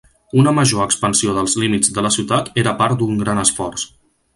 Una major expansió dels límits de la ciutat era part d'un gran esforç.